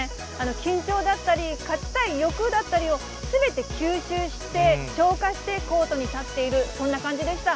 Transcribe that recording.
緊張だったり、勝ちたい欲だったりをすべて吸収して、消化してコートに立っている、そんな感じでした。